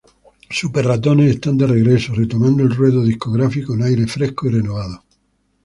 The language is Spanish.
Super Ratones están de regreso, retomando el ruedo discográfico con aires frescos y renovados.